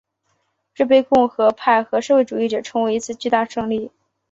这被共和派和社会主义者称为一次巨大胜利。